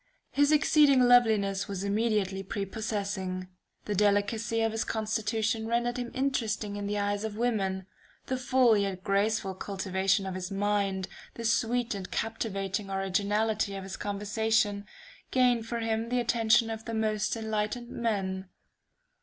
His exceeding loveliness was immediately prepossessing, the delicacy of his constitution rendered him interesting in the eyes of women, the full yet graceful cultivation of his mind, the sweet and captivating originality of his conversation, gained for him the attention of the most enlightened men.